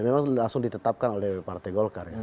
memang langsung ditetapkan oleh partai golkar ya